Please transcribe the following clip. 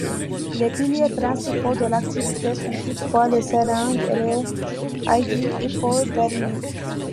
Les piliers principaux de l'activité sont toutefois les seringues et les aiguilles hypodermiques.